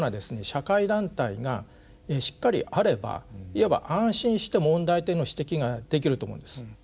社会団体がしっかりあればいわば安心して問題点の指摘ができると思うんです。